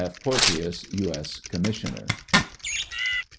PORTBOUS, U. S. Commissioner.